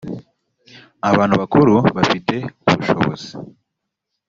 abantu bakuru bafite ubushobozi